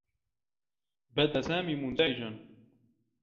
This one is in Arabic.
بدا سامي منزعجا.